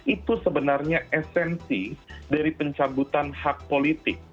itu sebenarnya esensi dari pencabutan hak politik